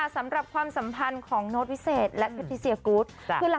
สำหรับความสัมพันธ์ของโน๊ตวิเศษและแพทย์เซียกูธ